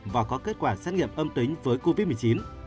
và có kết quả xét nghiệm âm tính với covid một mươi chín